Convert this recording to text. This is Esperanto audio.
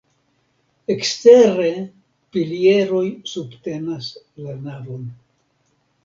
Ekstere pilieroj subtenas la navon.